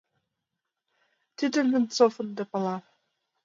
Тидым Венцов ынде пала.